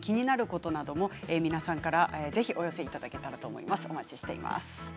こと皆さんからぜひお寄せいただけたらと思います。